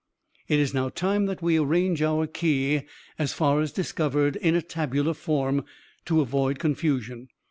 "It is now time that we arrange our key, as far as discovered, in a tabular form, to avoid confusion.